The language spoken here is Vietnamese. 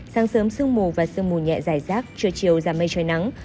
sáng sớm sương mù và sương mù nhẹ dài rác trưa chiều giảm mây trời nắng